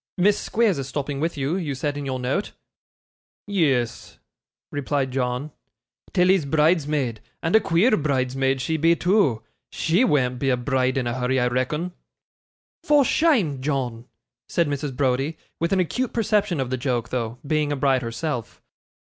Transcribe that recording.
Miss Squeers is stopping with you, you said in your note.' 'Yes,' replied John, 'Tilly's bridesmaid; and a queer bridesmaid she be, too. She wean't be a bride in a hurry, I reckon.' 'For shame, John,' said Mrs. Browdie; with an acute perception of the joke though, being a bride herself.